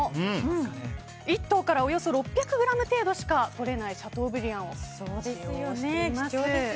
１頭からおよそ６００ｇ程度しか取れないシャトーブリアンを使用しています。